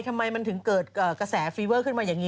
ทำไมมันถึงเกิดกระแสฟีเวอร์ขึ้นมาอย่างนี้